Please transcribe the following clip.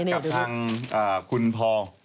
นี่ดูสิกับทางคุณพอร์